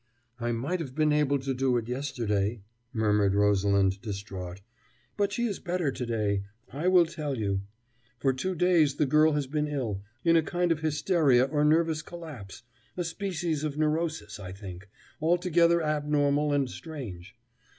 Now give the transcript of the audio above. "I might have been able to do it yesterday," murmured Rosalind, distraught, "but she is better to day. I will tell you. For two days the girl has been ill in a kind of hysteria or nervous collapse a species of neurosis, I think altogether abnormal and strange.